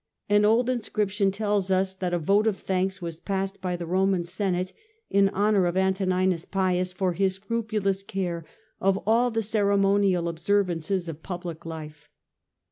An old inscription tells us that a vote of thanks was passed by the Roman Senate in honour of Antoninus Pius for his scrupulous care for all the ceremonial obser vances of public life.